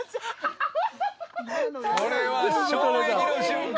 これは衝撃の瞬間。